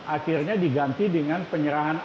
akhirnya diganti dengan penyerang bank